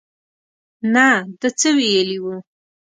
نه ده څه ویلي وو.